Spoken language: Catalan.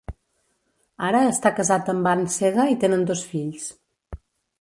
Ara està casat amb Ann Sega i tenen dos fills.